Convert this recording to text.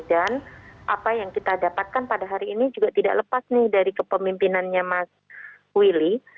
dan apa yang kita dapatkan pada hari ini juga tidak lepas nih dari kepemimpinannya mas willy